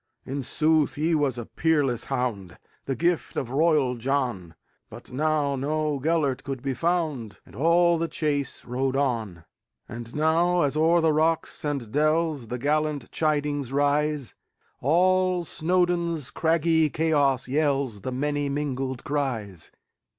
In sooth he was a peerless hound, The gift of royal John; But now no Gêlert could be found, And all the chase rode on. And now, as o'er the rocks and dellsThe gallant chidings rise, All Snowdon's craggy chaos yellsThe many mingled cries!